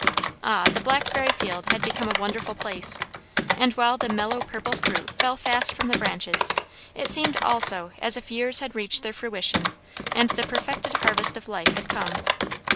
Ah, the blackberry field had become a wonderful place; and while the mellow purple fruit fell fast from the branches, it seemed also as if years had reached their fruition and the perfected harvest of life had come.